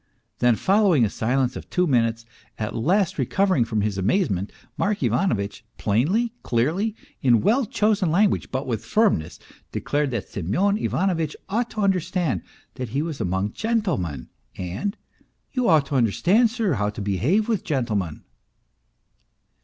Then followed a silence of two minutes; at last recovering from his amazement Mark Ivanovitch, plainly, clearly, in well chosen language, but with firmness, declared that Semyon Ivanovitch ought to understand that he was among gentlemen, and " you ought to understand, sir, how to behave with gentlemen."